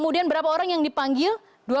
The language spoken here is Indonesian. dan berapa orang yang dipanggil